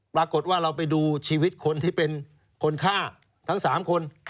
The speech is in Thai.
ปรากฏว่าเราไปดูชีวิตคนที่เป็นคนฆ่าทั้ง๓คน